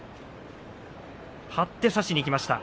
張って差しにいきました。